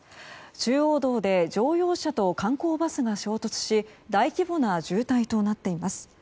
中央道で乗用車と観光バスが衝突し大規模な渋滞となっています。